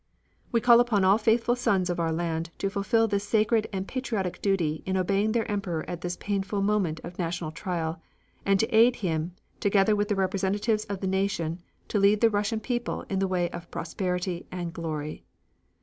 We call upon all faithful sons of our land to fulfil this sacred and patriotic duty in obeying their Emperor at this painful moment of national trial, and to aid him, together with the representatives of the nation, to lead the Russian people in the way of prosperity and glory.